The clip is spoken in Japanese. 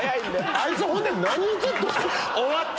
あいつほんで何⁉終わった？